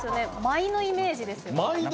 舞のイメージです